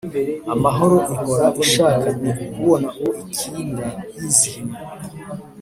amahoro ihora ishaka ni ukubona uwo ikinda yizihiwe